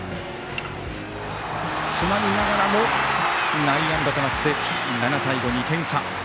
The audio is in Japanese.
詰まりながらも内野安打となって７対５、２点差。